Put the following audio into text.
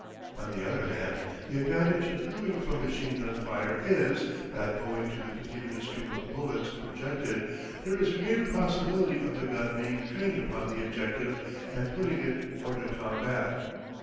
On the other hand the advantage accruing from machine gun fire is, that owing to the continuous stream of bullets projected, there is a greater possibility of the gun being trained upon the objective and putting it hors de combat.